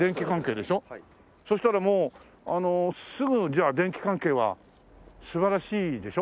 そしたらもうすぐじゃあ電気関係は素晴らしいでしょ？